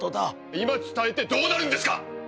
今伝えてどうなるんですか！